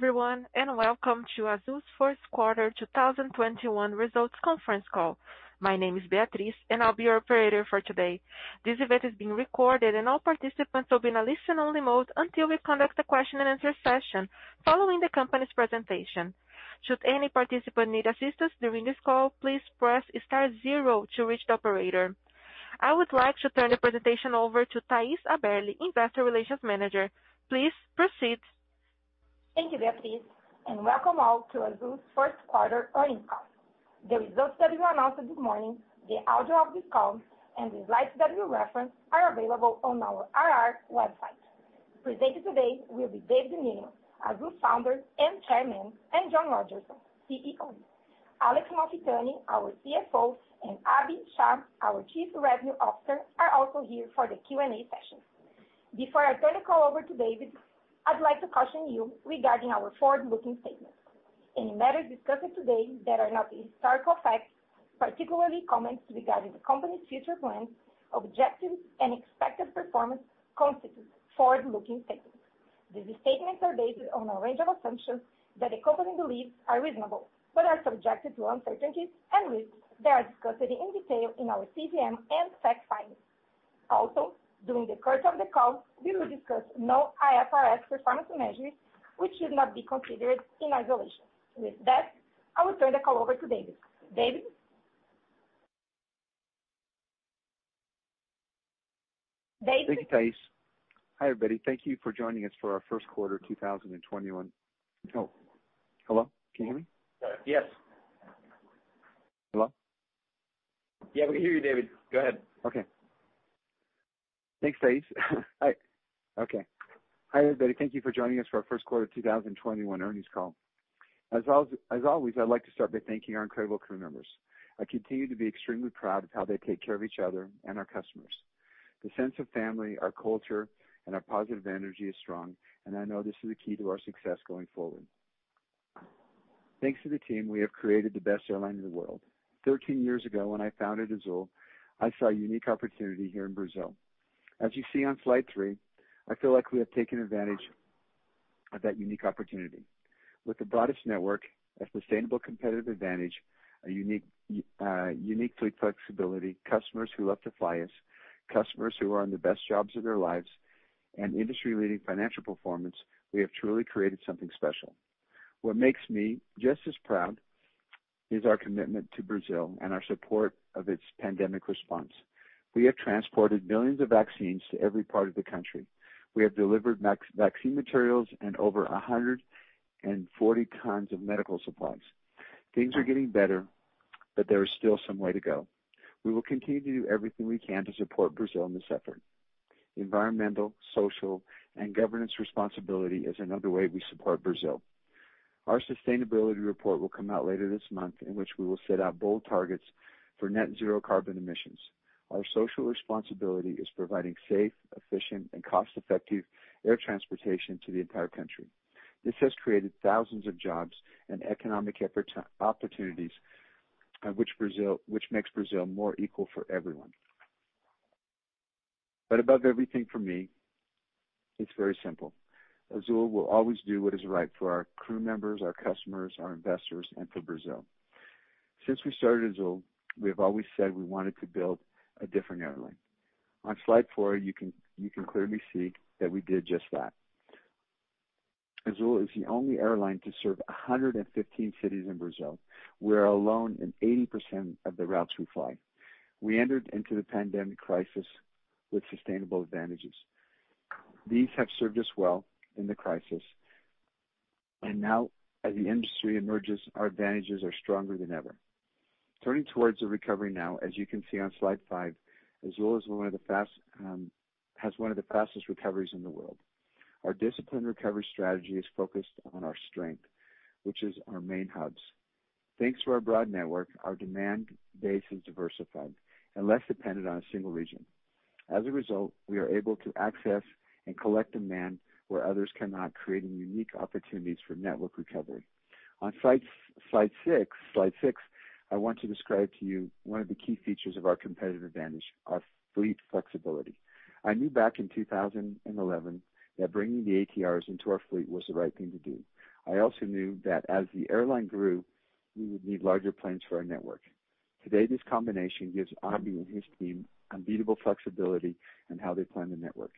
Hello everyone, welcome to Azul's first quarter 2021 results conference call. My name is Beatrice, I'll be your operator for today. This event is being recorded and all participants will be in a listen-only mode until we conduct the question and answer session following the company's presentation. Should any participant need assistance during this call, please press star zero to reach the operator. I would like to turn the presentation over to Thais Haberli, Investor Relations Manager. Please proceed. Thank you, Beatrice, welcome all to Azul's first quarter earnings call. The results that we will announce this morning, the audio of this call, the slides that we reference are available on our IR website. Presenting today will be David Neeleman, Azul Founder and Chairman, John Rodgerson, CEO. Alex Malfitani, our CFO, Abhi Shah, our Chief Revenue Officer, are also here for the Q&A session. Before I turn the call over to David, I'd like to caution you regarding our forward-looking statements. Any matters discussed today that are not historical facts, particularly comments regarding the company's future plans, objectives, and expected performance constitute forward-looking statements. These statements are based on a range of assumptions that the company believes are reasonable but are subjected to uncertainties and risks that are discussed in detail in our CVM and SEC filings. During the course of the call, we will discuss non-IFRS performance measures, which should not be considered in isolation. With that, I will turn the call over to David. David? David? Thank you, Thais. Hi, everybody. Thank you for joining us for our first quarter 2021. Hello? Can you hear me? Yes. Hello? Yeah, we can hear you, David. Go ahead. Okay. Thanks, Thais. Okay. Hi, everybody. Thank you for joining us for our first quarter 2021 earnings call. As always, I'd like to start by thanking our incredible crew members. I continue to be extremely proud of how they take care of each other and our customers. The sense of family, our culture, and our positive energy is strong, and I know this is the key to our success going forward. Thanks to the team, we have created the best airline in the world. 13 years ago, when I founded Azul, I saw a unique opportunity here in Brazil. As you see on slide three, I feel like we have taken advantage of that unique opportunity. With the broadest network, a sustainable competitive advantage, a unique fleet flexibility, customers who love to fly us, customers who are on the best jobs of their lives, and industry-leading financial performance, we have truly created something special. What makes me just as proud is our commitment to Brazil and our support of its pandemic response. We have transported millions of vaccines to every part of the country. We have delivered vaccine materials and over 140 tons of medical supplies. Things are getting better, but there is still some way to go. We will continue to do everything we can to support Brazil in this effort. Environmental, social, and governance responsibility is another way we support Brazil. Our sustainability report will come out later this month, in which we will set out bold targets for net zero carbon emissions. Our social responsibility is providing safe, efficient, and cost-effective air transportation to the entire country. This has created thousands of jobs and economic opportunities, which makes Brazil more equal for everyone. Above everything for me, it's very simple. Azul will always do what is right for our crew members, our customers, our investors, and for Brazil. Since we started Azul, we have always said we wanted to build a different airline. On slide four, you can clearly see that we did just that. Azul is the only airline to serve 115 cities in Brazil. We are alone in 80% of the routes we fly. We entered into the pandemic crisis with sustainable advantages. These have served us well in the crisis, and now as the industry emerges, our advantages are stronger than ever. Turning towards the recovery now, as you can see on slide five, Azul has one of the fastest recoveries in the world. Our disciplined recovery strategy is focused on our strength, which is our main hubs. Thanks to our broad network, our demand base is diversified and less dependent on a single region. As a result, we are able to access and collect demand where others cannot, creating unique opportunities for network recovery. On slide six, I want to describe to you one of the key features of our competitive advantage, our fleet flexibility. I knew back in 2011 that bringing the ATRs into our fleet was the right thing to do. I also knew that as the airline grew, we would need larger planes for our network. Today, this combination gives Abhi and his team unbeatable flexibility in how they plan the network.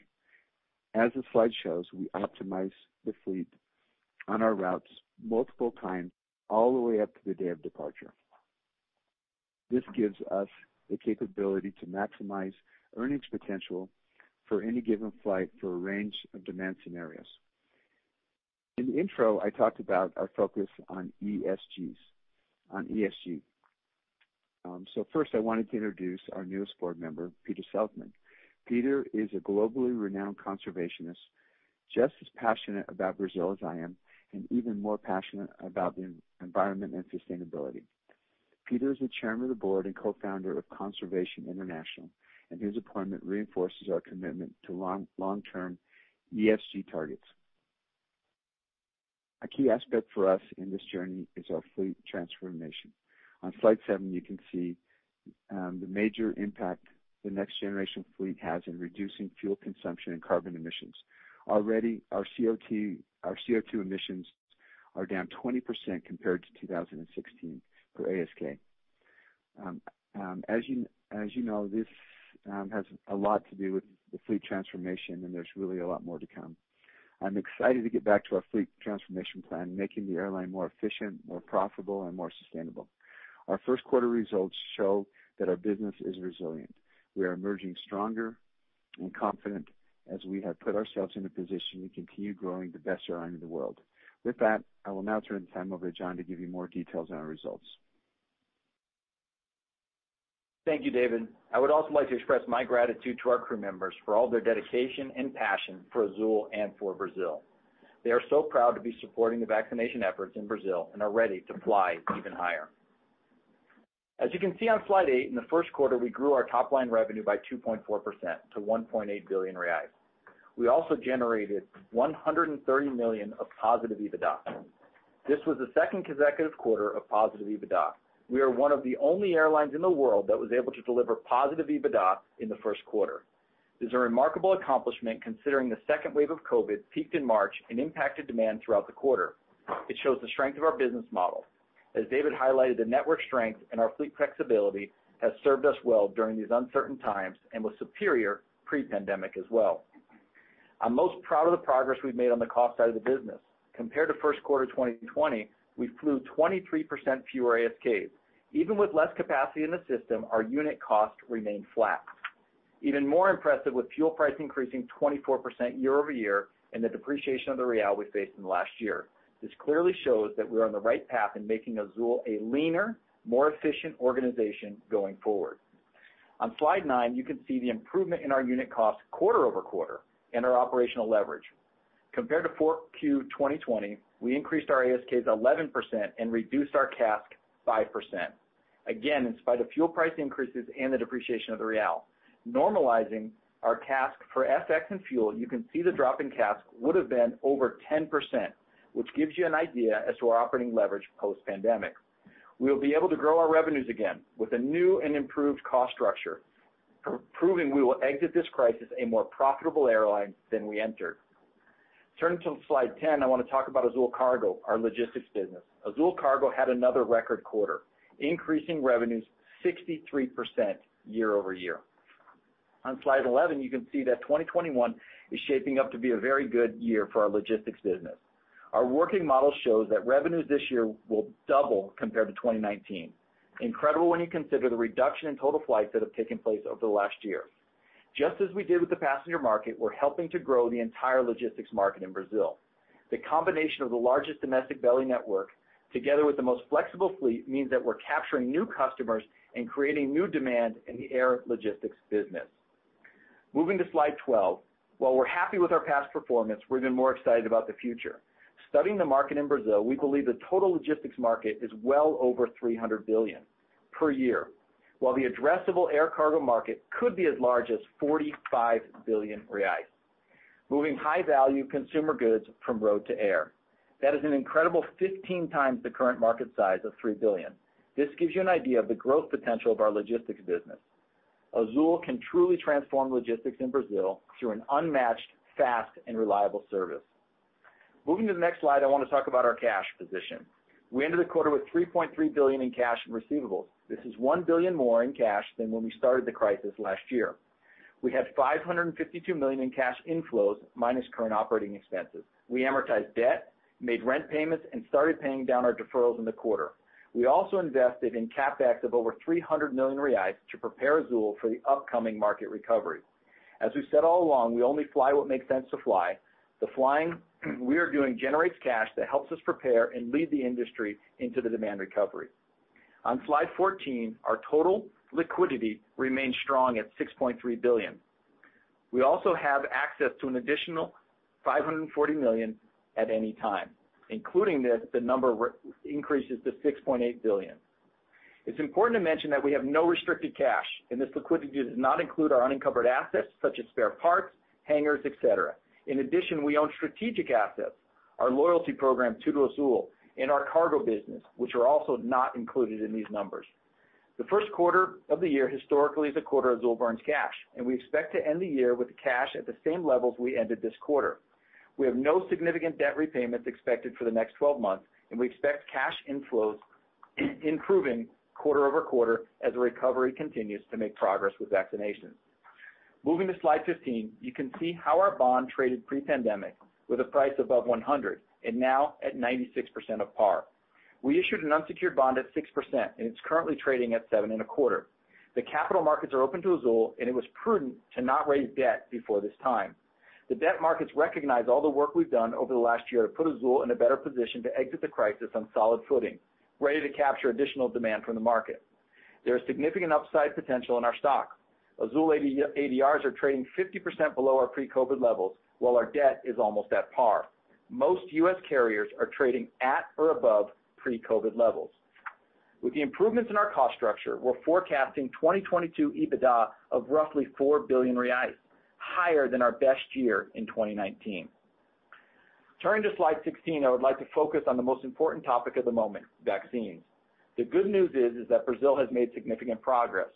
As the slide shows, we optimize the fleet on our routes multiple times all the way up to the day of departure. This gives us the capability to maximize earnings potential for any given flight for a range of demand scenarios. In the intro, I talked about our focus on ESG. First I wanted to introduce our newest board member, Peter Seligmann. Peter is a globally renowned conservationist, just as passionate about Brazil as I am, and even more passionate about the environment and sustainability. Peter is the Chairman of the Board and Co-Founder of Conservation International, and his appointment reinforces our commitment to long-term ESG targets. A key aspect for us in this journey is our fleet transformation. On slide seven, you can see the major impact the next generation fleet has in reducing fuel consumption and carbon emissions. Already, our CO2 emissions are down 20% compared to 2016 per ASK. As you know, this has a lot to do with the fleet transformation, and there's really a lot more to come. I'm excited to get back to our fleet transformation plan, making the airline more efficient, more profitable, and more sustainable. Our first quarter results show that our business is resilient. We are emerging stronger and confident as we have put ourselves in a position to continue growing the best airline in the world. With that, I will now turn the time over to John to give you more details on our results. Thank you, David. I would also like to express my gratitude to our crew members for all their dedication and passion for Azul and for Brazil. They are so proud to be supporting the vaccination efforts in Brazil and are ready to fly even higher. As you can see on slide eight, in the first quarter, we grew our top-line revenue by 2.4% to 1.8 billion reais. We also generated 130 million of positive EBITDA. This was the second consecutive quarter of positive EBITDA. We are one of the only airlines in the world that was able to deliver positive EBITDA in the first quarter. This is a remarkable accomplishment considering the second wave of COVID peaked in March and impacted demand throughout the quarter. It shows the strength of our business model. As David highlighted, the network strength and our fleet flexibility has served us well during these uncertain times and was superior pre-pandemic as well. I'm most proud of the progress we've made on the cost side of the business. Compared to first quarter 2020, we flew 23% fewer ASKs. Even with less capacity in the system, our unit cost remained flat, even more impressive, with fuel price increasing 24% year-over-year and the depreciation of the Real we faced in the last year. This clearly shows that we're on the right path in making Azul a leaner, more efficient organization going forward. On slide nine, you can see the improvement in our unit cost quarter-over-quarter and our operational leverage. Compared to 4Q 2020, we increased our ASKs 11% and reduced our CASK 5%, in spite of fuel price increases and the depreciation of the Real. Normalizing our CASK for FX and fuel, you can see the drop in CASK would have been over 10%, which gives you an idea as to our operating leverage post-pandemic. We'll be able to grow our revenues again with a new and improved cost structure, proving we will exit this crisis a more profitable airline than we entered. Turning to slide 10, I want to talk about Azul Cargo, our logistics business. Azul Cargo had another record quarter, increasing revenues 63% year-over-year. On slide 11, you can see that 2021 is shaping up to be a very good year for our logistics business. Our working model shows that revenues this year will double compared to 2019. Incredible when you consider the reduction in total flights that have taken place over the last year. Just as we did with the passenger market, we're helping to grow the entire logistics market in Brazil. The combination of the largest domestic belly network, together with the most flexible fleet, means that we're capturing new customers and creating new demand in the air logistics business. Moving to slide 12. While we're happy with our past performance, we're even more excited about the future. Studying the market in Brazil, we believe the total logistics market is well over 300 billion per year, while the addressable air cargo market could be as large as 45 billion reais, moving high-value consumer goods from road to air. That is an incredible 15x the current market size of 3 billion. This gives you an idea of the growth potential of our logistics business. Azul can truly transform logistics in Brazil through an unmatched, fast, and reliable service. Moving to the next slide, I want to talk about our cash position. We ended the quarter with 3.3 billion in cash and receivables. This is 1 billion more in cash than when we started the crisis last year. We had 552 million in cash inflows minus current operating expenses. We amortized debt, made rent payments, and started paying down our deferrals in the quarter. We also invested in CapEx of over 300 million reais to prepare Azul for the upcoming market recovery. As we've said all along, we only fly what makes sense to fly. The flying we are doing generates cash that helps us prepare and lead the industry into the demand recovery. On slide 14, our total liquidity remains strong at 6.3 billion. We also have access to an additional 540 million at any time, including this, the number increases to 6.8 billion. It's important to mention that we have no restricted cash, and this liquidity does not include our unencumbered assets such as spare parts, hangars, et cetera. In addition, we own strategic assets, our loyalty program, TudoAzul, and our cargo business, which are also not included in these numbers. The first quarter of the year historically is a quarter Azul burns cash, and we expect to end the year with the cash at the same levels we ended this quarter. We have no significant debt repayments expected for the next 12 months, and we expect cash inflows improving quarter-over-quarter as the recovery continues to make progress with vaccinations. Moving to slide 15, you can see how our bond traded pre-pandemic, with a price above 100, and now at 96% of par. We issued an unsecured bond at 6%, and it's currently trading at 7.25%. The capital markets are open to Azul, and it was prudent to not raise debt before this time. The debt markets recognize all the work we've done over the last year to put Azul in a better position to exit the crisis on solid footing, ready to capture additional demand from the market. There is significant upside potential in our stock. Azul ADRs are trading 50% below our pre-COVID levels, while our debt is almost at par. Most U.S. carriers are trading at or above pre-COVID levels. With the improvements in our cost structure, we're forecasting 2022 EBITDA of roughly 4 billion reais, higher than our best year in 2019. Turning to slide 16, I would like to focus on the most important topic of the moment, vaccines. The good news is that Brazil has made significant progress.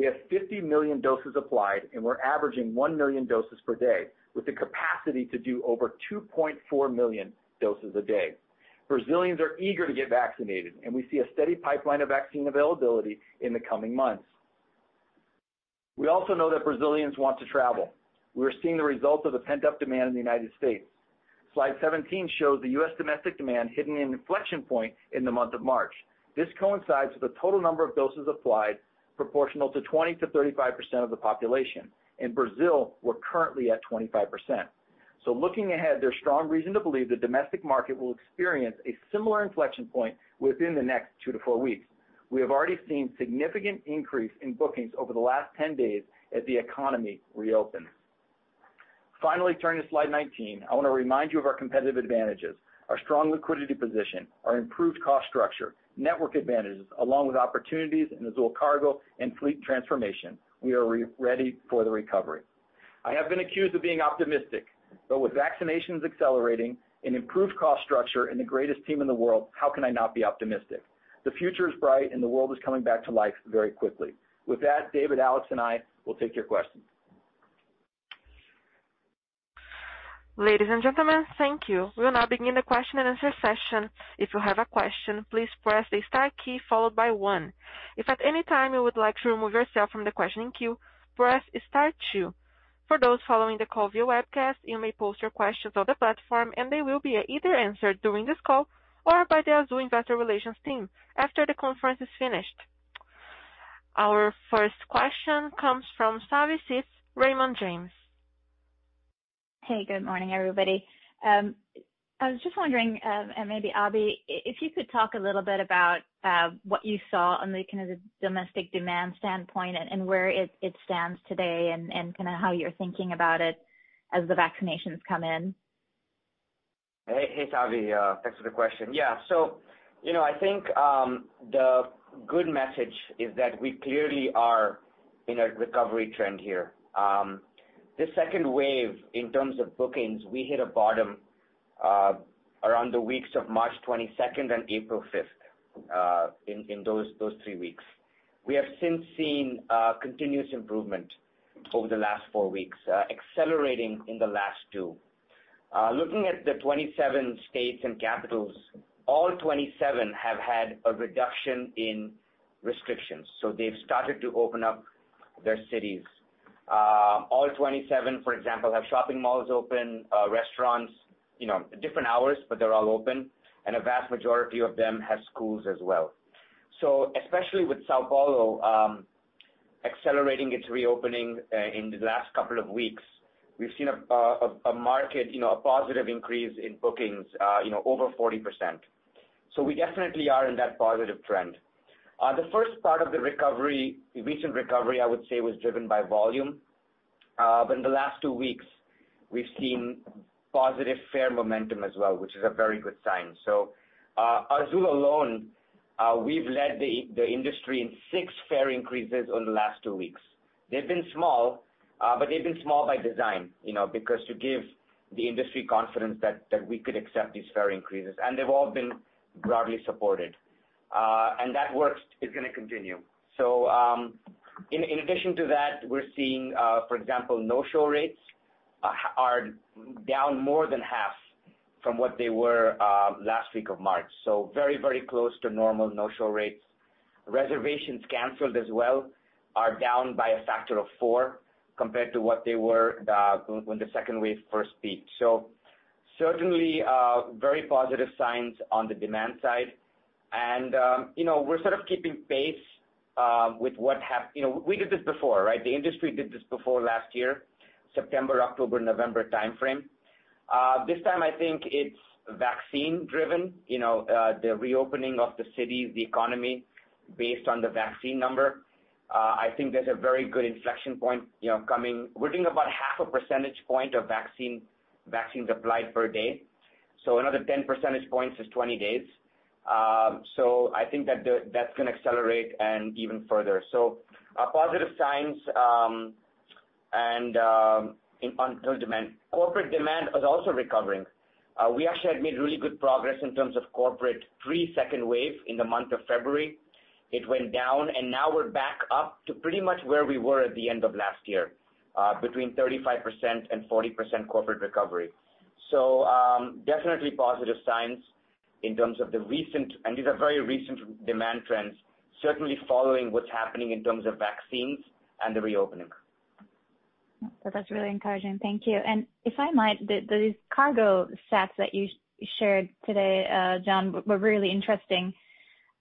We have 50 million doses applied. We're averaging 1 million doses per day, with the capacity to do over 2.4 million doses a day. Brazilians are eager to get vaccinated. We see a steady pipeline of vaccine availability in the coming months. We also know that Brazilians want to travel. We are seeing the results of the pent-up demand in the U.S. Slide 17 shows the U.S. domestic demand hitting an inflection point in the month of March. This coincides with the total number of doses applied proportional to 20%-35% of the population. In Brazil, we're currently at 25%. Looking ahead, there's strong reason to believe the domestic market will experience a similar inflection point within the next two to four weeks. We have already seen significant increase in bookings over the last 10 days as the economy reopens. Finally, turning to slide 19, I want to remind you of our competitive advantages, our strong liquidity position, our improved cost structure, network advantages, along with opportunities in Azul Cargo and fleet transformation. We are ready for the recovery. I have been accused of being optimistic, but with vaccinations accelerating, an improved cost structure, and the greatest team in the world, how can I not be optimistic? The future is bright, and the world is coming back to life very quickly. With that, David, Alex, and I will take your questions. Ladies and gentlemen, thank you. We will now begin the question and answer session. If you have a question, please press star key followed by one. If at any time you would like to remove yourself from the question queue, press star two. For those following the call via webcast, you may post your question on the platform and they will be either answered during this call or by the Azul Investor Relation team after the conference is finished. Our first question comes from Savanthi Syth, Raymond James. Hey, good morning, everybody. I was just wondering, and maybe Abhi, if you could talk a little bit about what you saw on the domestic demand standpoint and where it stands today and how you're thinking about it as the vaccinations come in. Hey, Savi. Thanks for the question. Yeah. I think the good message is that we clearly are in a recovery trend here. The second wave, in terms of bookings, we hit a bottom around the weeks of March 22nd and April 5th, in those three weeks. We have since seen continuous improvement over the last four weeks, accelerating in the last two. Looking at the 27 states and capitals, all 27 have had a reduction in restrictions. They've started to open up their cities. All 27, for example, have shopping malls open, restaurants, different hours. They're all open, a vast majority of them have schools as well. Especially with São Paulo accelerating its reopening in the last couple of weeks, we've seen a market, a positive increase in bookings over 40%. We definitely are in that positive trend. The first part of the recent recovery, I would say, was driven by volume. In the last two weeks, we've seen positive fare momentum as well, which is a very good sign. Azul alone, we've led the industry in six fare increases over the last two weeks. They've been small, but they've been small by design, because to give the industry confidence that we could accept these fare increases, and they've all been broadly supported. That work is going to continue. In addition to that, we're seeing, for example, no-show rates are down more than half from what they were last week of March. Very close to normal no-show rates. Reservations canceled as well are down by a factor of four compared to what they were when the second wave first peaked. Certainly, very positive signs on the demand side. We're sort of keeping pace with what [have], you know, we did this before, right? The industry did this before last year, September, October, November timeframe. This time, I think it's vaccine driven, the reopening of the cities, the economy based on the vaccine number. I think there's a very good inflection point coming. We're doing about 0.5 percentage point of vaccines applied per day. Another 10 percentage points is 20 days. I think that's going to accelerate and even further. Positive signs on total demand. Corporate demand is also recovering. We actually had made really good progress in terms of corporate pre-second wave in the month of February. It went down, and now we're back up to pretty much where we were at the end of last year, between 35% and 40% corporate recovery. Definitely positive signs in terms of the recent, and these are very recent demand trends, certainly following what's happening in terms of vaccines and the reopening. That's really encouraging. Thank you. If I might, the cargo stats that you shared today, John, were really interesting.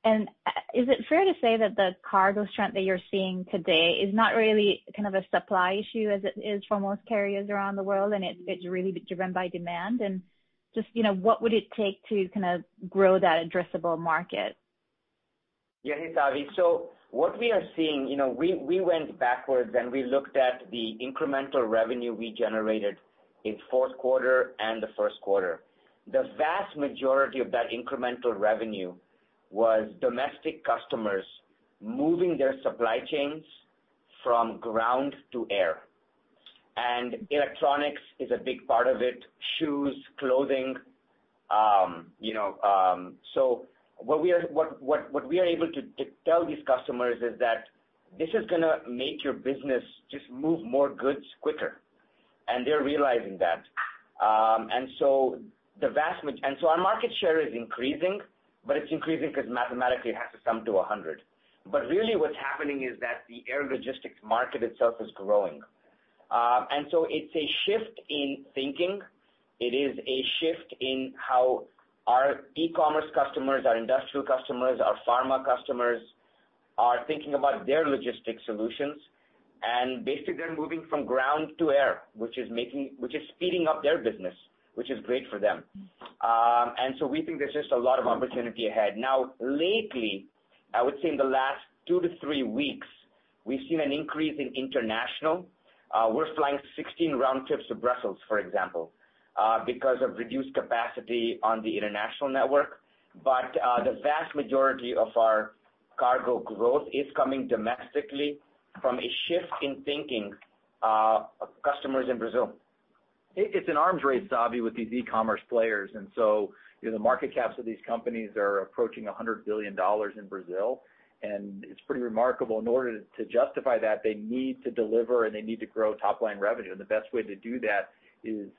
Is it fair to say that the cargo strength that you're seeing today is not really a supply issue as it is for most carriers around the world, and it's really driven by demand? Just what would it take to grow that addressable market? Hey, Savi. What we are seeing, we went backwards, and we looked at the incremental revenue we generated in fourth quarter and the first quarter. The vast majority of that incremental revenue was domestic customers moving their supply chains from ground to air, and electronics is a big part of it, shoes, clothing. What we are able to tell these customers is that this is going to make your business just move more goods quicker, and they're realizing that. Our market share is increasing, but it's increasing because mathematically it has to sum to 100. Really what's happening is that the air logistics market itself is growing. It's a shift in thinking. It is a shift in how our e-commerce customers, our industrial customers, our pharma customers are thinking about their logistics solutions. Basically, they're moving from ground to air, which is speeding up their business, which is great for them. We think there's just a lot of opportunity ahead. Now, lately, I would say in the last two to three weeks, we've seen an increase in international. We're flying 16 round trips to Brussels, for example, because of reduced capacity on the international network. The vast majority of our cargo growth is coming domestically from a shift in thinking of customers in Brazil. It's an arms race, Savi, with these e-commerce players. The market caps of these companies are approaching BRL 100 billion in Brazil, and it's pretty remarkable. In order to justify that, they need to deliver, they need to grow top-line revenue. The best way to do that is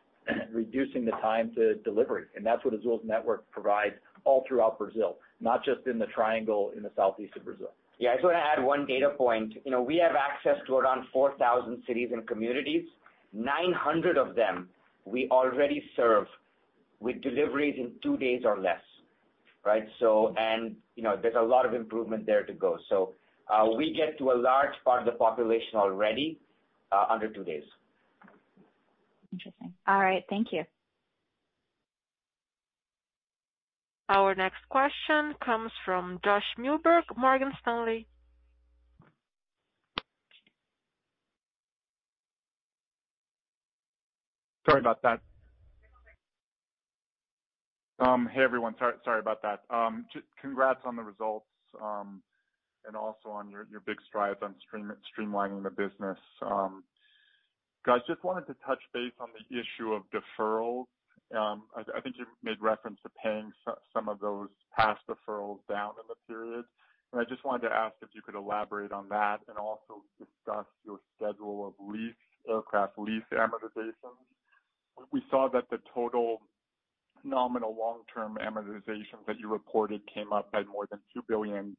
reducing the time to delivery. That's what Azul's network provides all throughout Brazil, not just in the triangle in the Southeast of Brazil. Yeah. I just want to add one data point. We have access to around 4,000 cities and communities, 900 of them we already serve with deliveries in two days or less. Right? There's a lot of improvement there to go. We get to a large part of the population already under two days. Interesting. All right. Thank you. Our next question comes from Josh Milberg, Morgan Stanley. Sorry about that. Hey, everyone. Sorry about that. Congrats on the results, and also on your big strides on streamlining the business. Guys, just wanted to touch base on the issue of deferrals. I think you made reference to paying some of those past deferrals down in the period. I just wanted to ask if you could elaborate on that and also discuss your schedule of aircraft lease amortizations. We saw that the total nominal long-term amortization that you reported came up by more than 2 billion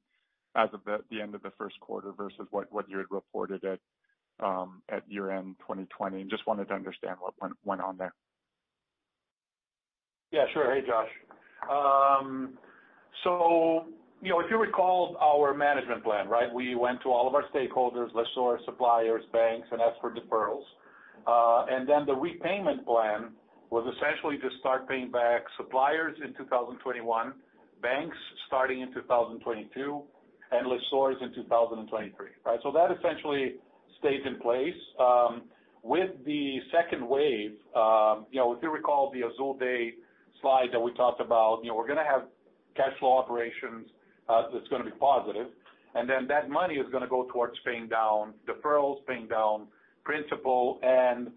as of the end of the first quarter versus what you had reported at year-end 2020. Just wanted to understand what went on there. Yeah, sure. Hey, Josh. If you recall our management plan, right? We went to all of our stakeholders, lessors, suppliers, banks, and asked for deferrals. The repayment plan was essentially to start paying back suppliers in 2021, banks starting in 2022, and lessors in 2023. Right? That essentially stays in place. With the second wave, if you recall the Azul Day slide that we talked about, we're going to have cash flow operations that's going to be positive, that money is going to go towards paying down deferrals, paying down principal, and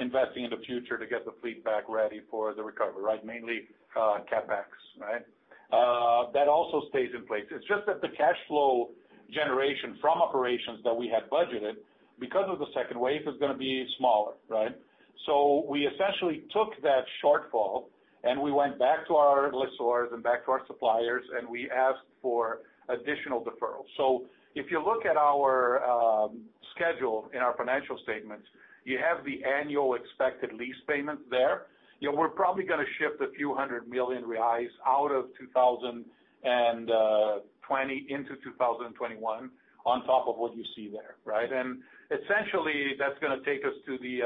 investing in the future to get the fleet back ready for the recovery, right? Mainly CapEx, right? That also stays in place. It's just that the cash flow generation from operations that we had budgeted because of the second wave is going to be smaller. Right? We essentially took that shortfall, we went back to our lessors and back to our suppliers, we asked for additional deferrals. If you look at our schedule in our financial statements, you have the annual expected lease payment there. We're probably going to shift a few 100 million reais out of 2020 into 2021 on top of what you see there. Essentially, that's going to take us to the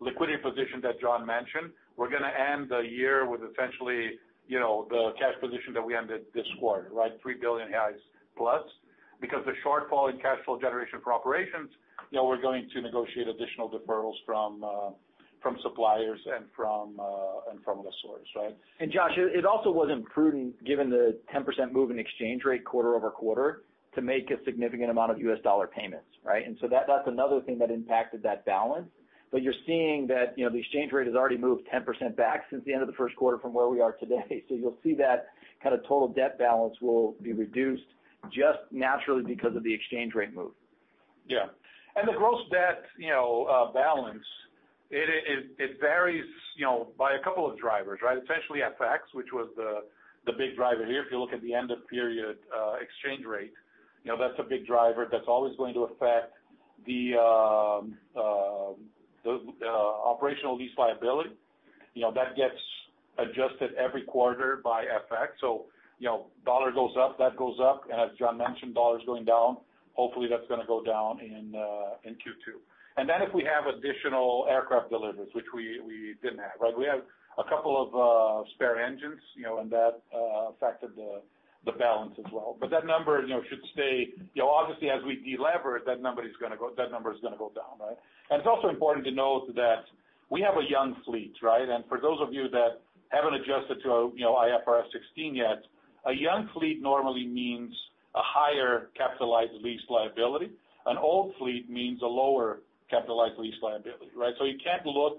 liquidity position that John mentioned. We're going to end the year with essentially the cash position that we ended this quarter, like, 3 billion+. Because the shortfall in cash flow generation for operations, we're going to negotiate additional deferrals from suppliers and from lessors. Josh, it also wasn't prudent given the 10% move in exchange rate quarter-over-quarter to make a significant amount of U.S. dollar payments. Right? That's another thing that impacted that balance. You're seeing that the exchange rate has already moved 10% back since the end of the first quarter from where we are today. You'll see that total debt balance will be reduced just naturally because of the exchange rate move. Yeah. The gross debt balance, it varies by a couple of drivers, right? Essentially FX, which was the big driver here. If you look at the end of period exchange rate, that's a big driver that's always going to affect the operational lease liability. That gets adjusted every quarter by FX. The U.S. dollar goes up, that goes up, and as John mentioned, the U.S. dollar's going down, hopefully that's going to go down in Q2. Then if we have additional aircraft deliveries, which we didn't have, right? We have a couple of spare engines, and that affected the balance as well. That number should stay, obviously, as we de-lever, that number is going to go down, right? It is also important to note that we have a young fleet. For those of you that haven't adjusted to IFRS 16 yet, a young fleet normally means a higher capitalized lease liability. An old fleet means a lower capitalized lease liability. You can't look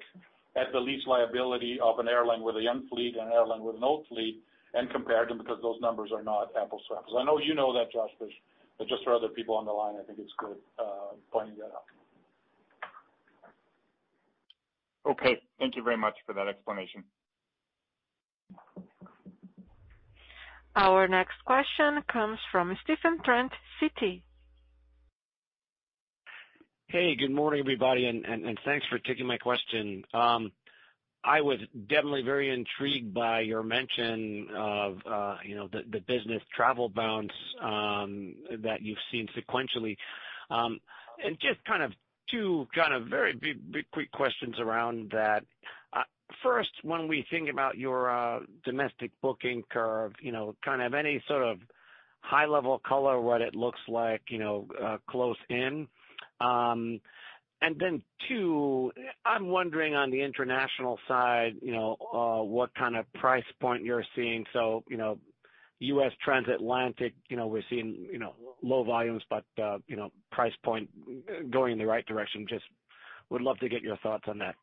at the lease liability of an airline with a young fleet and an airline with an old fleet and compare them because those numbers are not apples to apples. I know you know that, Josh, but just for other people on the line, I think it's good pointing that out. Okay. Thank you very much for that explanation. Our next question comes from Stephen Trent, Citi. Hey, good morning, everybody, and thanks for taking my question. I was definitely very intrigued by your mention of the business travel bounce that you've seen sequentially. Just two very quick questions around that. First, when we think about your domestic booking curve, any sort of high level color, what it looks like close in. Two, I'm wondering on the international side, what kind of price point you're seeing. U.S. transatlantic, we're seeing low volumes, but price point going in the right direction. Just would love to get your thoughts on that.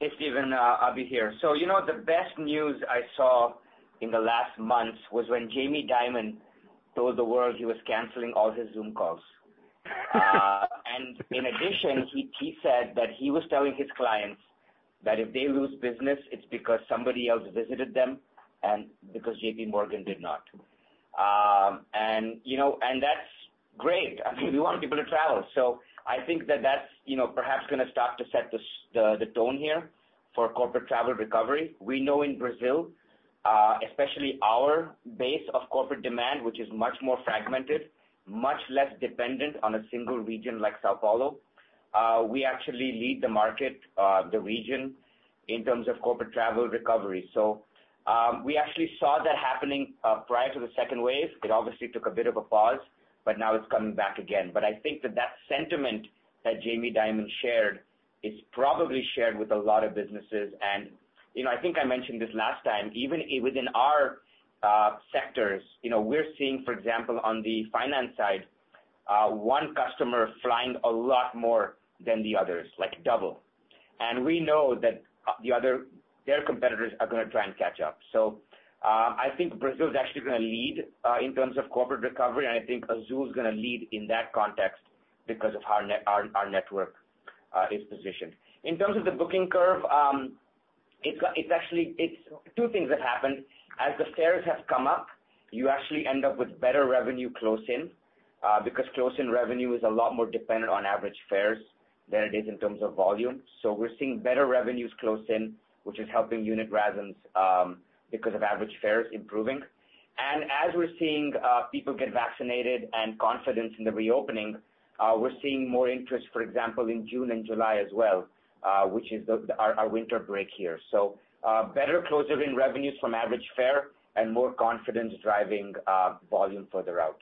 Hey, Stephen. Abhi here. The best news I saw in the last month was when Jamie Dimon told the world he was canceling all his Zoom calls. In addition, he said that he was telling his clients that if they lose business, it's because somebody else visited them and because JPMorgan did not. That's great. I mean, we want people to travel. I think that that's perhaps going to start to set the tone here for corporate travel recovery. We know in Brazil, especially our base of corporate demand, which is much more fragmented, much less dependent on a single region like São Paulo, we actually lead the market, the region, in terms of corporate travel recovery. We actually saw that happening prior to the second wave. It obviously took a bit of a pause, now it's coming back again. I think that that sentiment that Jamie Dimon shared is probably shared with a lot of businesses. I think I mentioned this last time, even within our sectors, we're seeing, for example, on the finance side, one customer flying a lot more than the others, like double. We know that their competitors are going to try and catch up. I think Brazil is actually going to lead in terms of corporate recovery, and I think Azul is going to lead in that context because of how our network is positioned. In terms of the booking curve, two things have happened. As the fares have come up, you actually end up with better revenue close in, because close in revenue is a lot more dependent on average fares than it is in terms of volume. We're seeing better revenues close in, which is helping unit RASMs because of average fares improving. As we're seeing people get vaccinated and confidence in the reopening, we're seeing more interest, for example, in June and July as well, which is our winter break here. Better close in revenues from average fare and more confidence driving volume further out.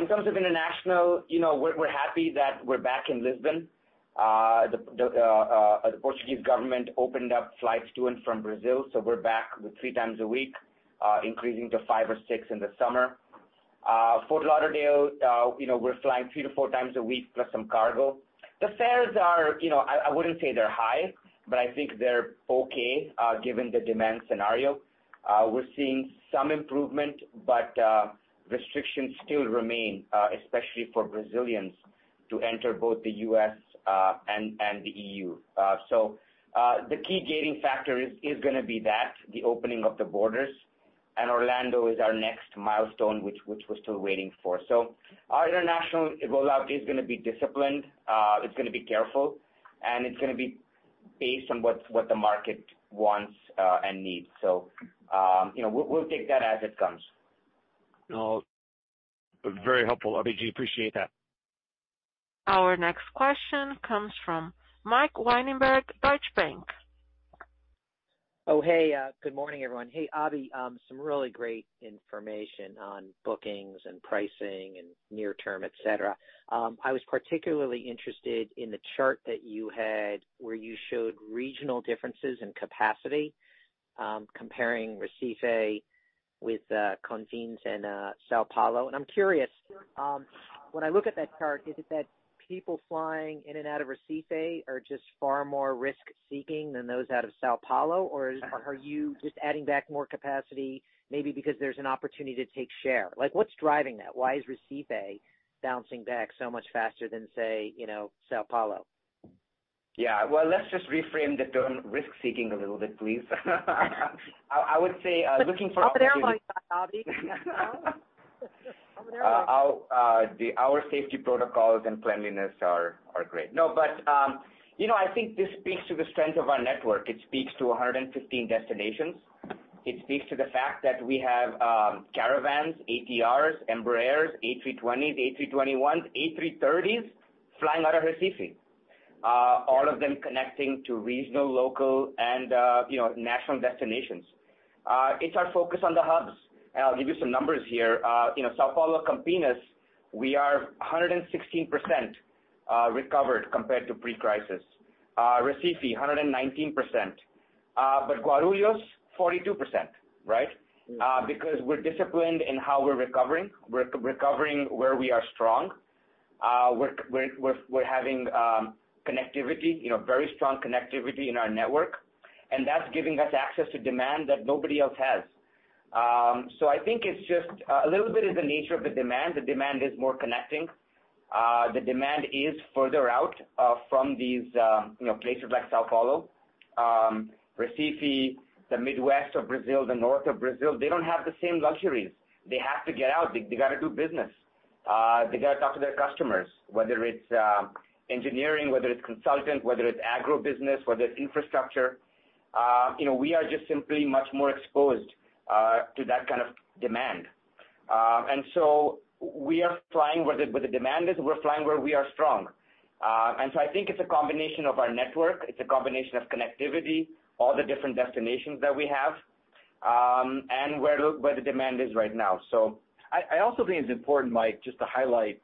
In terms of international, we're happy that we're back in Lisbon. The Portuguese government opened up flights to and from Brazil, so we're back with three times a week, increasing to five or six in the summer. Fort Lauderdale, we're flying three to four times a week, plus some cargo. The fares are, I wouldn't say they're high, but I think they're okay given the demand scenario. We're seeing some improvement, but restrictions still remain, especially for Brazilians to enter both the U.S. and the EU. The key gating factor is going to be that, the opening of the borders. Orlando is our next milestone, which we're still waiting for. Our international rollout is going to be disciplined. It's going to be careful, and it's going to be based on what the market wants and needs. We'll take that as it comes. Very helpful, Abhi. Appreciate that. Our next question comes from Michael Linenberg, Deutsche Bank. Oh, hey. Good morning, everyone. Hey, Abhi, some really great information on bookings and pricing near term, et cetera. I was particularly interested in the chart that you had where you showed regional differences in capacity, comparing Recife with Confins and São Paulo. I'm curious, when I look at that chart, is it that people flying in and out of Recife are just far more risk-seeking than those out of São Paulo? Are you just adding back more capacity, maybe because there's an opportunity to take share? What's driving that? Why is Recife bouncing back so much faster than, say, São Paulo? Yeah. Well, let's just reframe the term risk-seeking a little bit, please. I would say looking for opportunities- Over there, Mike, Abhi. Over there. Our safety protocols and cleanliness are great. I think this speaks to the strength of our network. It speaks to 115 destinations. It speaks to the fact that we have Caravans, ATRs, Embraers, A320s, A321s, A330s flying out of Recife. All of them connecting to regional, local, and national destinations. It's our focus on the hubs. I'll give you some numbers here. São Paulo Campinas, we are 116% recovered compared to pre-crisis. Recife, 119%. Guarulhos, 42%. We're disciplined in how we're recovering. We're recovering where we are strong. We're having connectivity, very strong connectivity in our network. That's giving us access to demand that nobody else has. I think it's just a little bit of the nature of the demand. The demand is more connecting. The demand is further out from these places like São Paulo. Recife, the Midwest of Brazil, the North of Brazil, they don't have the same luxuries. They have to get out. They got to do business. They got to talk to their customers, whether it's engineering, whether it's consultant, whether it's agribusiness, whether it's infrastructure. We are just simply much more exposed to that kind of demand. We are flying where the demand is. We're flying where we are strong. I think it's a combination of our network. It's a combination of connectivity, all the different destinations that we have, and where the demand is right now. I also think it's important, Mike, just to highlight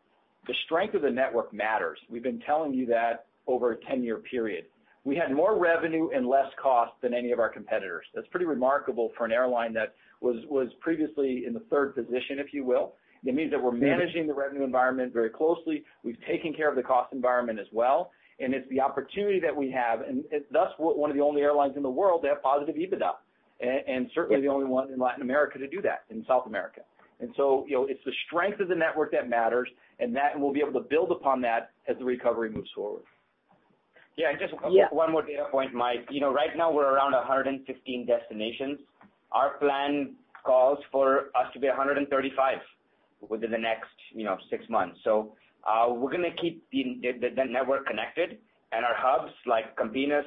the strength of the network matters. We've been telling you that over a 10-year period. We had more revenue and less cost than any of our competitors. That's pretty remarkable for an airline that was previously in the third position, if you will. It means that we're managing the revenue environment very closely. We've taken care of the cost environment as well, and it's the opportunity that we have, and thus, we're one of the only airlines in the world to have positive EBITDA, and certainly the only one in Latin America to do that, in South America. It's the strength of the network that matters, and that we'll be able to build upon that as the recovery moves forward. Just one more data point, Mike. Right now, we're around 115 destinations. Our plan calls for us to be 135 within the next six months. We're going to keep the network connected and our hubs, like Campinas,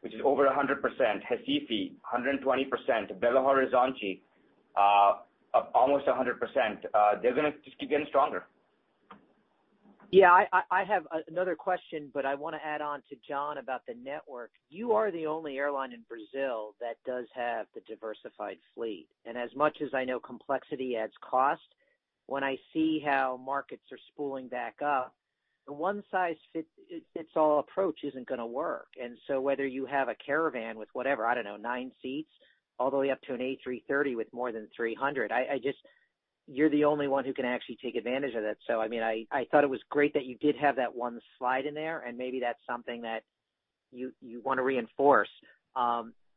which is over 100%, Recife, 120%, Belo Horizonte, almost 100%. They're going to just keep getting stronger. Yeah, I have another question, but I want to add on to John about the network. You are the only airline in Brazil that does have the diversified fleet. As much as I know complexity adds cost, when I see how markets are spooling back up, the one-size-fits-all approach isn't going to work. Whether you have a Caravan with whatever, I don't know, nine seats, all the way up to an A330 with more than 300, you're the only one who can actually take advantage of that. I thought it was great that you did have that one slide in there, and maybe that's something that you want to reinforce. I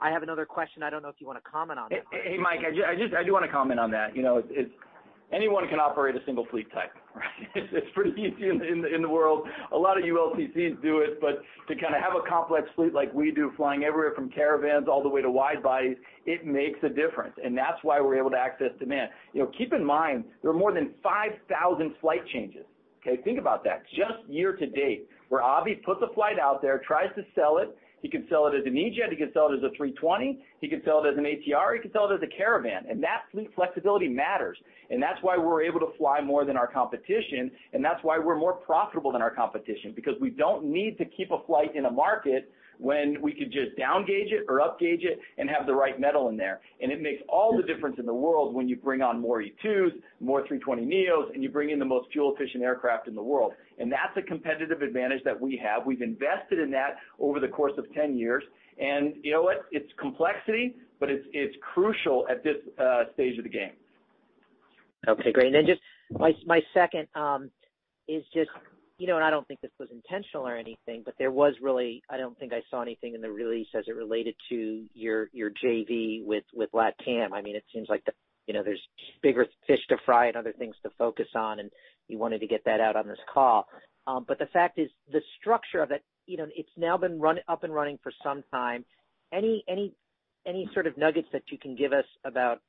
have another question. I don't know if you want to comment on that. Hey, Mike, I do want to comment on that. Anyone can operate a single fleet type, right? It's pretty easy in the world. A lot of ULCCs do it, but to kind of have a complex fleet like we do, flying everywhere from Caravans all the way to wide bodies, it makes a difference, and that's why we're able to access demand. Keep in mind, there are more than 5,000 flight changes. Okay? Think about that. Just year-to-date, where Abhi puts a flight out there, tries to sell it. He can sell it as an E-Jet, he can sell it as an A320, he can sell it as an ATR, he can sell it as a Caravan, and that fleet flexibility matters. That's why we're able to fly more than our competition, and that's why we're more profitable than our competition, because we don't need to keep a flight in a market when we could just down-gauge it or up-gauge it and have the right metal in there. It makes all the difference in the world when you bring on more E2s, more A320neos, and you bring in the most fuel-efficient aircraft in the world. That's a competitive advantage that we have. We've invested in that over the course of 10 years. You know what? It's complexity, but it's crucial at this stage of the game. Okay, great. My second is just, I don't think this was intentional or anything, but I don't think I saw anything in the release as it related to your JV with LATAM. It seems like there's bigger fish to fry and other things to focus on, and you wanted to get that out on this call. The fact is, the structure of it's now been up and running for some time. Any sort of nuggets that you can give us about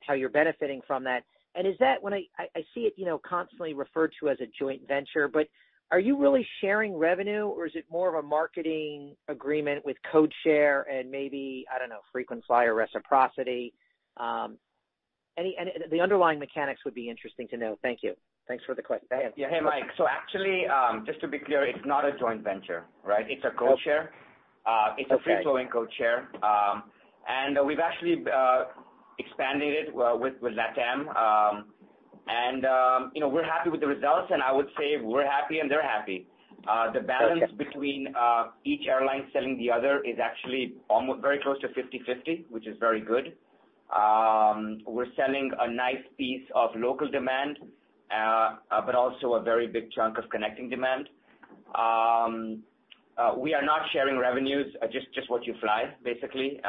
how you're benefiting from that? I see it constantly referred to as a joint venture, but are you really sharing revenue, or is it more of a marketing agreement with code share and maybe, I don't know, frequent flyer reciprocity? The underlying mechanics would be interesting to know. Thank you. Thanks for the question. Go ahead. Yeah. Hey, Mike. Actually, just to be clear, it's not a joint venture, right? It's a code share. Okay. It's a free-flowing code share. We've actually expanded it with LATAM. We're happy with the results, and I would say we're happy and they're happy. The balance between each airline selling the other is actually almost very close to 50/50, which is very good. We're selling a nice piece of local demand, but also a very big chunk of connecting demand. We are not sharing revenues, just what you fly, basically.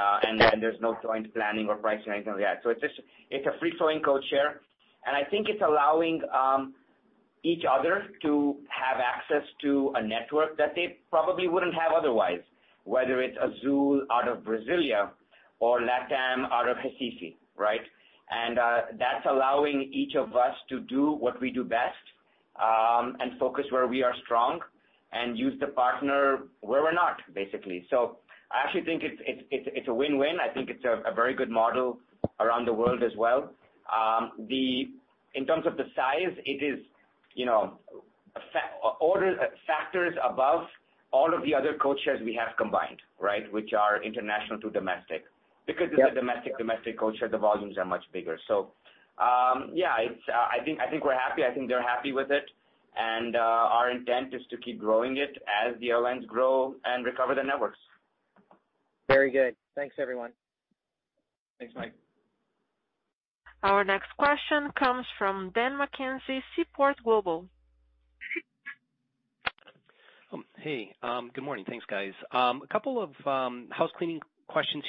There's no joint planning or pricing or anything like that. It's a free-flowing code share, and I think it's allowing each other to have access to a network that they probably wouldn't have otherwise, whether it's Azul out of Brasilia or LATAM out of Recife, right? That's allowing each of us to do what we do best, and focus where we are strong and use the partner where we're not, basically. I actually think it's a win-win. I think it's a very good model around the world as well. In terms of the size, it is factors above all of the other codeshares we have combined, which are international to domestic. Because it's a domestic codeshare, the volumes are much bigger. I think we're happy. I think they're happy with it, and our intent is to keep growing it as the airlines grow and recover their networks. Very good. Thanks, everyone. Thanks, Mike. Our next question comes from Dan McKenzie, Seaport Global. Hey, good morning. Thanks, guys. A couple of housecleaning questions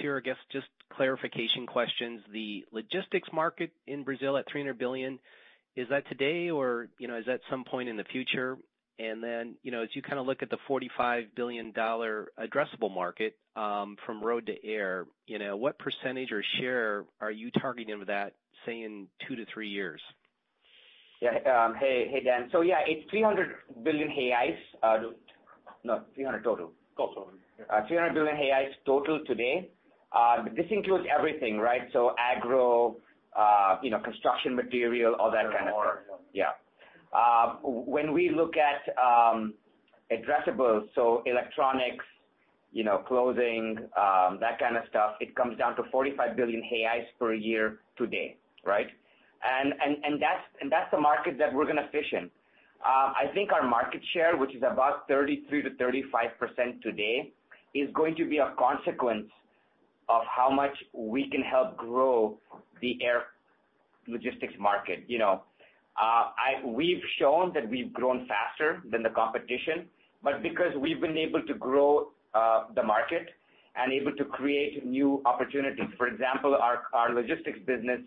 here, I guess, just clarification questions. The logistics market in Brazil at 300 billion, is that today or is that some point in the future? As you look at the BRL 45 billion addressable market from road to air, what percentage or share are you targeting with that, say, in two to three years? Hey, Dan. Yeah, it's 300 billion reais. No, 300 total. Total, yeah. 300 billion reais total today. This includes everything. Agro, construction material, all that kind of stuff. Yeah. When we look at addressable, electronics, clothing, that kind of stuff, it comes down to 45 billion reais per year today. That's the market that we're going to fish in. I think our market share, which is about 33%-35% today, is going to be a consequence of how much we can help grow the air logistics market. We've shown that we've grown faster than the competition, but because we've been able to grow the market and able to create new opportunities. For example, our logistics business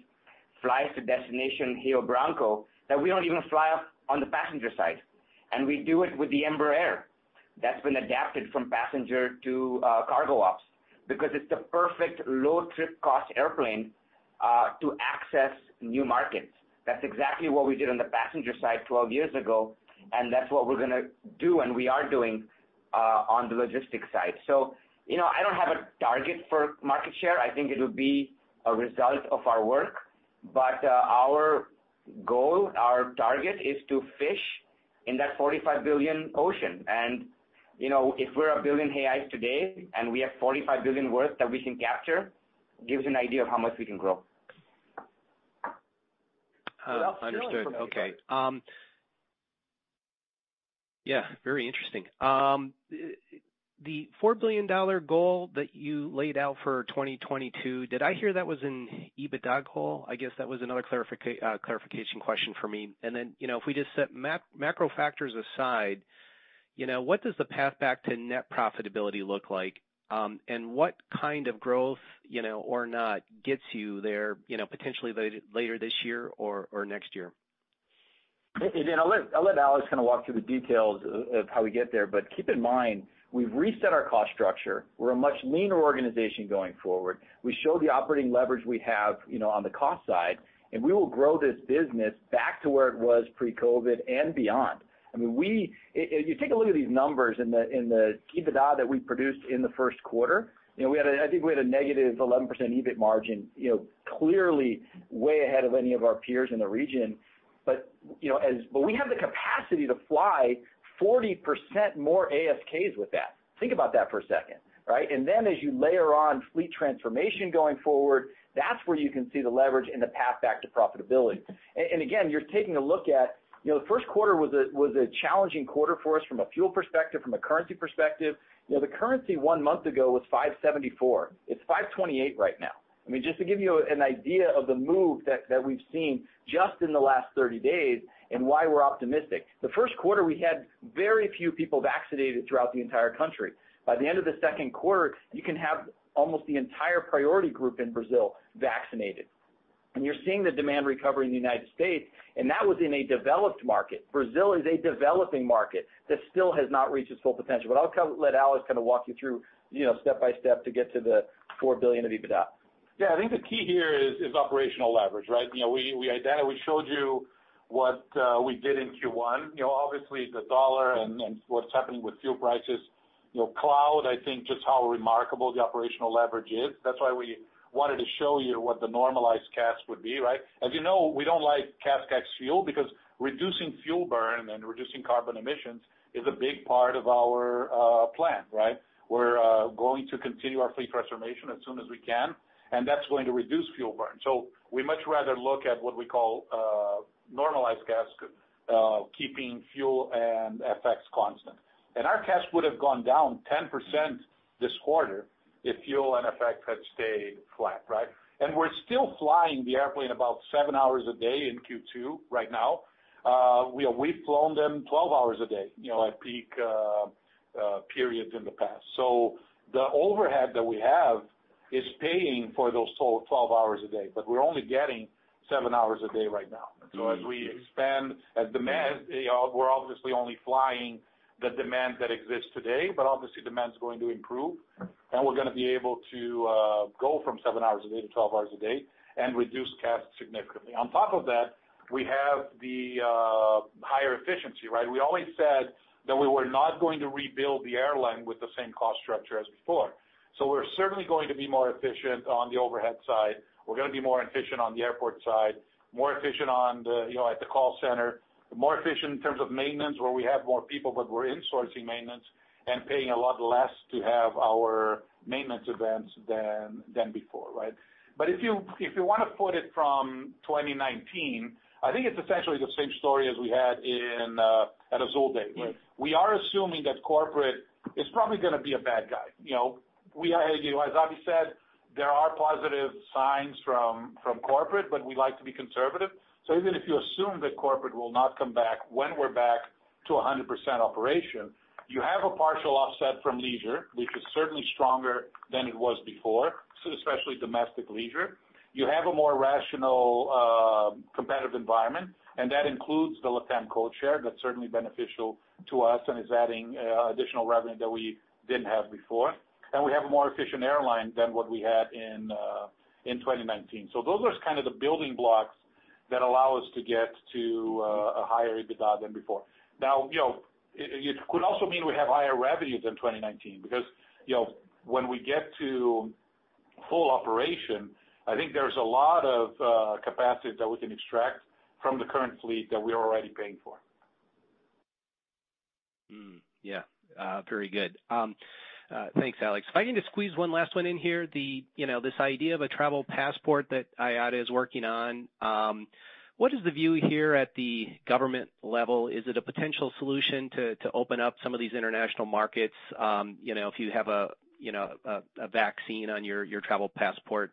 flies to destination Rio Branco that we don't even fly on the passenger side. We do it with the Embraer that's been adapted from passenger to cargo ops because it's the perfect low-trip cost airplane to access new markets. That's exactly what we did on the passenger side 12 years ago, and that's what we're going to do and we are doing on the logistics side. I don't have a target for market share. I think it'll be a result of our work. Our goal, our target, is to fish in that 45 billion ocean. If we're 1 billion today and we have 45 billion worth that we can capture, gives you an idea of how much we can grow. Understood. Okay. Yeah, very interesting. The BRL 4 billion goal that you laid out for 2022, did I hear that was an EBITDA goal? I guess that was another clarification question for me. If we just set macro factors aside, what does the path back to net profitability look like? What kind of growth, or not, gets you there potentially later this year or next year? I'll let Alex walk through the details of how we get there. Keep in mind, we've reset our cost structure. We're a much leaner organization going forward. We show the operating leverage we have on the cost side, and we will grow this business back to where it was pre-COVID and beyond. If you take a look at these numbers in the EBITDA that we produced in the first quarter, I think we had a -11% EBIT margin, clearly way ahead of any of our peers in the region. We have the capacity to fly 40% more ASKs with that. Think about that for a second. As you layer on fleet transformation going forward, that's where you can see the leverage and the path back to profitability. Again, the first quarter was a challenging quarter for us from a fuel perspective, from a currency perspective. The currency one month ago was 574. It is 528 right now. Just to give you an idea of the move that we've seen just in the last 30 days and why we're optimistic. The first quarter, we had very few people vaccinated throughout the entire country. By the end of the second quarter, you can have almost the entire priority group in Brazil vaccinated. You're seeing the demand recover in the United States, and that was in a developed market. Brazil is a developing market that still has not reached its full potential. I'll let Alex walk you through step by step to get to the 4 billion of EBITDA. Yeah, I think the key here is operational leverage. We showed you what we did in Q1. The dollar and what's happening with fuel prices cloud, I think, just how remarkable the operational leverage is. That's why we wanted to show you what the normalized CASK would be. As you know, we don't like CASK ex-fuel because reducing fuel burn and reducing carbon emissions is a big part of our plan. We're going to continue our fleet transformation as soon as we can, that's going to reduce fuel burn. We much rather look at what we call normalized CASK, keeping fuel and FX constant. Our CASK would have gone down 10% this quarter if fuel and FX had stayed flat. We're still flying the airplane about seven hours a day in Q2 right now. We've flown them 12 hours a day at peak periods in the past. The overhead that we have is paying for those 12 hours a day, but we're only getting seven hours a day right now. As we expand, we're obviously only flying the demand that exists today, but obviously demand is going to improve, and we're going to be able to go from seven hours a day to 12 hours a day and reduce CASK significantly. On top of that, we have the higher efficiency. We always said that we were not going to rebuild the airline with the same cost structure as before. We're certainly going to be more efficient on the overhead side. We're going to be more efficient on the airport side, more efficient at the call center, more efficient in terms of maintenance, where we have more people, but we're insourcing maintenance and paying a lot less to have our maintenance events than before, right? If you want to put it from 2019, I think it's essentially the sa me story as we had at Azul Day. Right. We are assuming that corporate is probably going to be a bad guy. As Abhi said, there are positive signs from corporate, but we like to be conservative. Even if you assume that corporate will not come back when we're back to 100% operation, you have a partial offset from leisure, which is certainly stronger than it was before, especially domestic leisure. You have a more rational competitive environment, that includes the LATAM codeshare that's certainly beneficial to us and is adding additional revenue that we didn't have before. We have a more efficient airline than what we had in 2019. Those are kind of the building blocks that allow us to get to a higher EBITDA than before. Now, it could also mean we have higher revenues than 2019 because when we get to full operation, I think there's a lot of capacity that we can extract from the current fleet that we are already paying for. Hmm. Yeah. Very good. Thanks, Alex. If I can just squeeze one last one in here, this idea of a travel passport that IATA is working on, what is the view here at the government level? Is it a potential solution to open up some of these international markets? If you have a vaccine on your travel passport,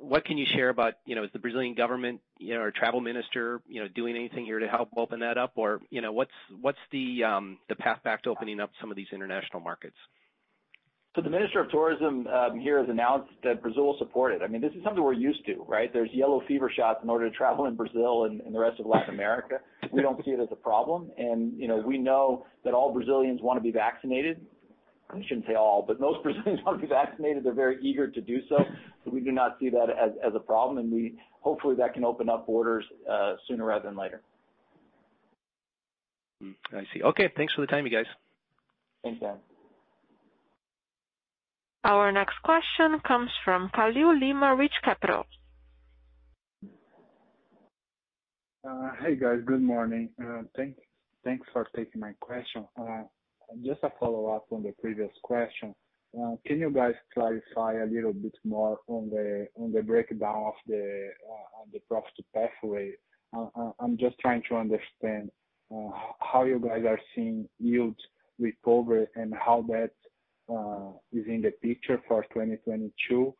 what can you share about, is the Brazilian government or travel minister doing anything here to help open that up? What's the path back to opening up some of these international markets? The Minister of Tourism here has announced that Brazil will support it. This is something we're used to, right? There's yellow fever shots in order to travel in Brazil and the rest of Latin America. We don't see it as a problem, and we know that all Brazilians want to be vaccinated. I shouldn't say all, but most Brazilians want to be vaccinated. They're very eager to do so we do not see that as a problem, and hopefully that can open up borders sooner rather than later. I see. Okay. Thanks for the time, you guys. Thanks, Dan. Our next question comes from [Khalil] Lima, [Reach Capital]. Hey, guys. Good morning. Thanks for taking my question. Just a follow-up on the previous question. Can you guys clarify a little bit more on the breakdown of the profit pathway? I'm just trying to understand how you guys are seeing yields recover and how that is in the picture for 2022.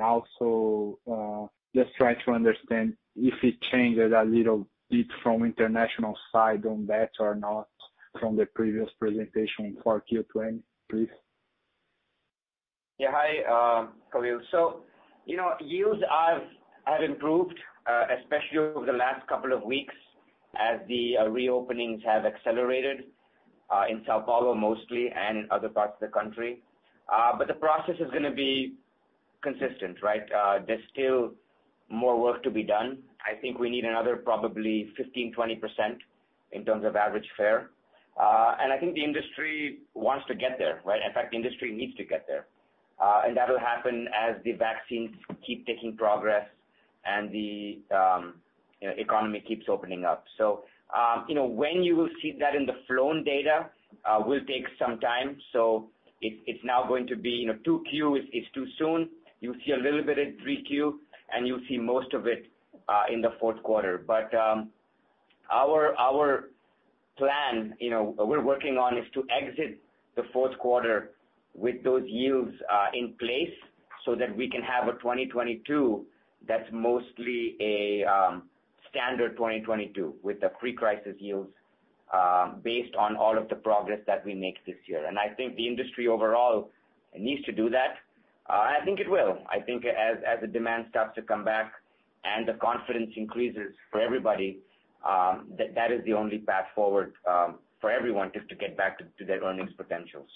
Also just trying to understand if it changes a little bit from international side on that or not from the previous presentation for Q2, please. Hi, Khalil. Yields have improved, especially over the last couple of weeks as the reopenings have accelerated in São Paulo mostly, and in other parts of the country. The process is going to be consistent, right? There's still more work to be done. I think we need another probably 15%, 20% in terms of average fare. I think the industry wants to get there, right? In fact, the industry needs to get there. That'll happen as the vaccines keep making progress and the economy keeps opening up. When you will see that in the flown data will take some time. It's now going to be, 2Q is too soon. You'll see a little bit in 3Q, and you'll see most of it in the fourth quarter. Our plan we're working on is to exit the fourth quarter with those yields in place so that we can have a 2022 that's mostly a standard 2022 with the pre-crisis yields based on all of the progress that we make this year. I think the industry overall needs to do that. I think it will. I think as the demand starts to come back and the confidence increases for everybody, that is the only path forward for everyone just to get back to their earnings potential.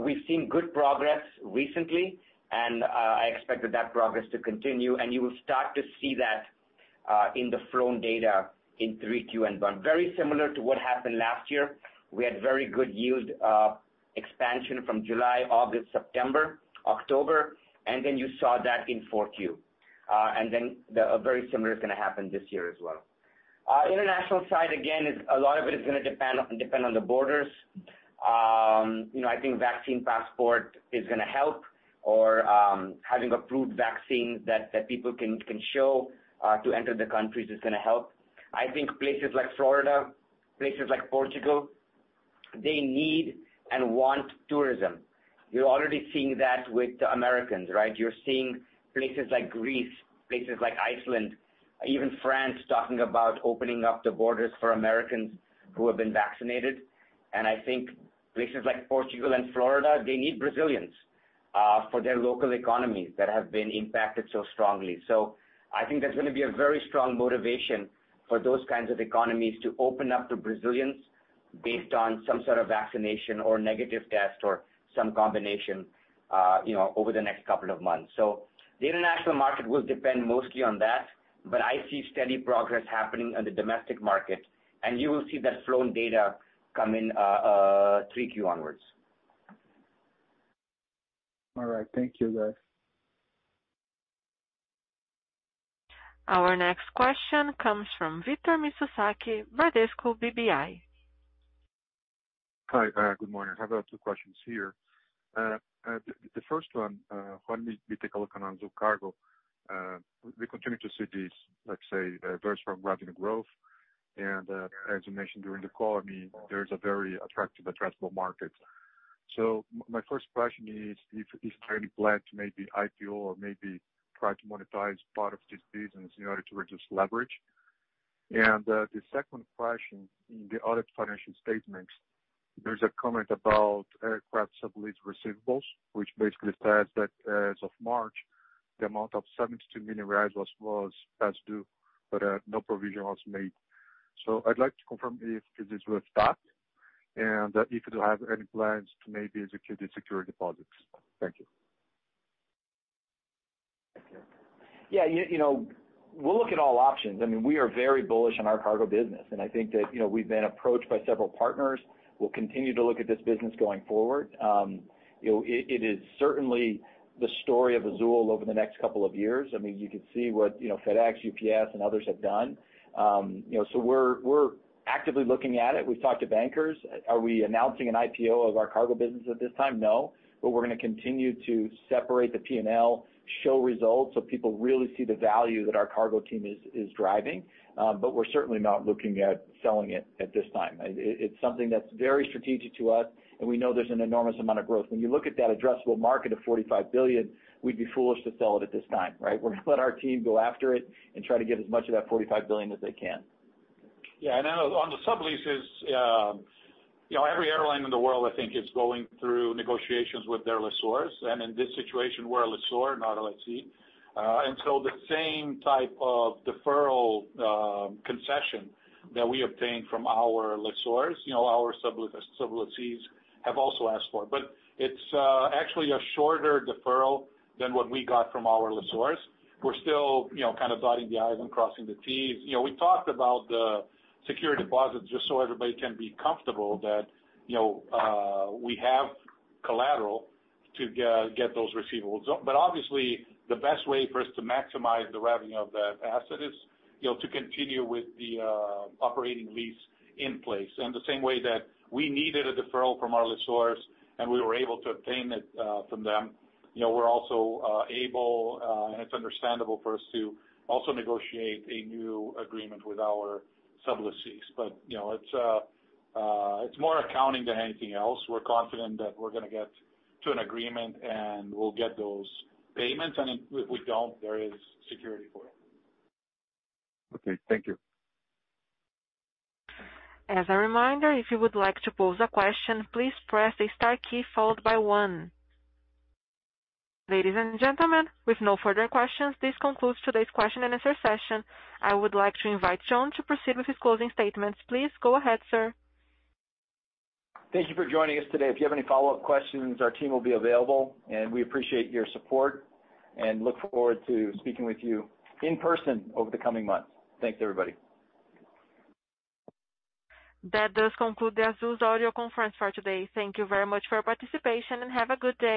We've seen good progress recently, and I expect that progress to continue and you will start to see that in the flown data in 3Q onwards. Very similar to what happened last year, we had very good yield expansion from July, August, September, October, and then you saw that in 4Q. Then very similar is going to happen this year as well. International side, again, a lot of it is going to depend on the borders. I think vaccine passport is going to help, or having approved vaccines that people can show to enter the countries is going to help. I think places like Florida, places like Portugal, they need and want tourism. You're already seeing that with Americans, right? You're seeing places like Greece, places like Iceland, even France talking about opening up the borders for Americans who have been vaccinated. I think places like Portugal and Florida, they need Brazilians for their local economies that have been impacted so strongly. I think there's going to be a very strong motivation for those kinds of economies to open up to Brazilians based on some sort of vaccination or negative test or some combination. Over the next couple of months. The international market will depend mostly on that, but I see steady progress happening on the domestic market, and you will see that flown data come in 3Q onwards. All right. Thank you, guys. Our next question comes from Victor Mizusaki, Bradesco BBI. Hi. Good morning. I have two questions here. The first one, when we take a look on Azul Cargo, we continue to see this, let's say, very strong revenue growth. As you mentioned during the call, there's a very attractive addressable market. My first question is there any plan to maybe IPO or maybe try to monetize part of this business in order to reduce leverage? The second question, in the audit financial statements, there's a comment about aircraft sublease receivables, which basically says that as of March, the amount of 72 million reais was past due, but no provision was made. I'd like to confirm if this was stopped, and if you have any plans to maybe execute the security deposits. Thank you. Yeah. We'll look at all options. We are very bullish on our cargo business. I think that we've been approached by several partners. We'll continue to look at this business going forward. It is certainly the story of Azul over the next couple of years. You could see what FedEx, UPS, and others have done. We're actively looking at it. We've talked to bankers. Are we announcing an IPO of our cargo business at this time? No. We're going to continue to separate the P&L, show results so people really see the value that our cargo team is driving. We're certainly not looking at selling it at this time. It's something that's very strategic to us, and we know there's an enormous amount of growth. When you look at that addressable market of 45 billion, we'd be foolish to sell it at this time, right? We're going to let our team go after it and try to get as much of that 45 billion as they can. Yeah, on the subleases, every airline in the world, I think, is going through negotiations with their lessors. In this situation, we're a lessor, not a lessee. The same type of deferral concession that we obtained from our lessors, our sublessees have also asked for. It's actually a shorter deferral than what we got from our lessors. We're still kind of dotting the I's and crossing the T's. We talked about the security deposit just so everybody can be comfortable that we have collateral to get those receivables. Obviously, the best way for us to maximize the revenue of that asset is to continue with the operating lease in place. In the same way that we needed a deferral from our lessors and we were able to obtain it from them, we're also able, and it's understandable for us to also negotiate a new agreement with our sublessees. It's more accounting than anything else. We're confident that we're going to get to an agreement, and we'll get those payments, and if we don't, there is security for it. Okay. Thank you. As a reminder, if you would like to pose a question, please press star key followed by one. Ladies and gentlemen, with no further questions, this concludes today's question and answer session. I would like to invite John to proceed with his closing statements. Please go ahead, sir. Thank you for joining us today. If you have any follow-up questions, our team will be available, and we appreciate your support and look forward to speaking with you in person over the coming months. Thanks, everybody. That does conclude the Azul audio conference for today. Thank you very much for your participation and have a good day.